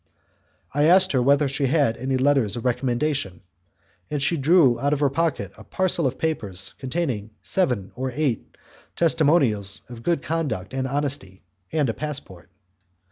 I asked her whether she had any letters of recommendation, and she drew out of her pocket a parcel of papers containing seven or eight testimonials of good conduct and honesty, and a passport.